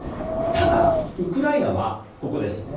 ただ、ウクライナはここです。